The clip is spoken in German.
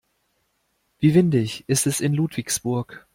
Wie windig ist es in Ludwigsburg?